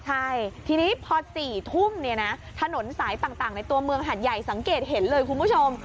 ใช่ทีนี้พอ๔ทุ่มเนี่ยนะถนนสายต่างในตัวเมืองหัดใหญ่สังเกตเห็นเลยคุณผู้ชม